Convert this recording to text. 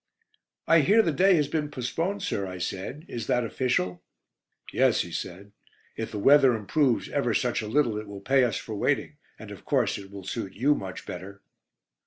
"I hear 'The Day' has been postponed, sir," I said. "Is that official?" "Yes," he said. "If the weather improves ever such a little it will pay us for waiting, and of course it will suit you much better?"